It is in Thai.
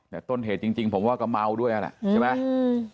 แต่ต้นเหตุจริงผมว่าก็เมาด้วยนั่นแหละใช่ไหม